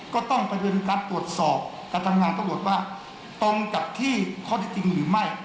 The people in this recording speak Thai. ก็ต้องไปเรียนการตรวจสอบกับทำรวจว่าตรงกับที่ข้อที่จริงหรือไม่